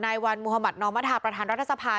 นายวันมุธมัธนอมธาประธานรัฐสภา